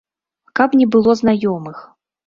Каб не было знаёмых.